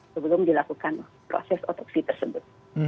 sebelum dilakukan proses otopsi tersebut